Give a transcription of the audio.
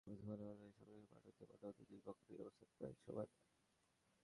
প্রথম আলোর অনলাইন সংস্করণে পাঠকদের মতামতে দুই পক্ষেরই অবস্থান প্রায় সমানে সমানে।